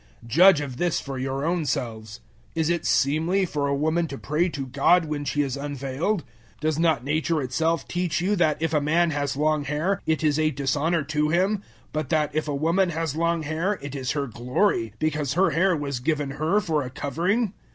011:013 Judge of this for your own selves: is it seemly for a woman to pray to God when she is unveiled? 011:014 Does not Nature itself teach you that if a man has long hair it is a dishonor to him, 011:015 but that if a woman has long hair it is her glory, because her hair was given her for a covering?